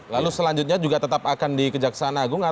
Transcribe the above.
lalu selanjutnya juga tetap akan di kejaksaan agung